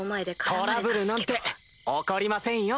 トラブルなんて起こりませんよ。